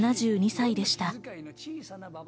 ７２歳でした。